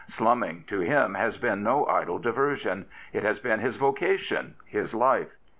Slumming to him has been no idle diversion. It has been his vocation, his life.